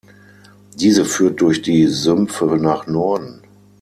Diese führt durch die Sümpfe nach Norden.